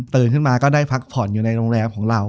ขึ้นมาก็ได้พักผ่อนอยู่ในโรงแรมของเรา